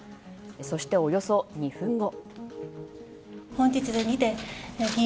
そして、およそ２分後。